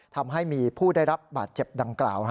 ทำให้มีผู้ได้รับบาดเจ็บดังกล่าว